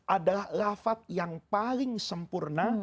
adalah lafat yang paling sempurna